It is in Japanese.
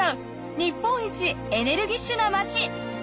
日本一エネルギッシュな街！